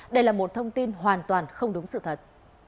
đây là một thông tin hoàn toàn không đúng sự thật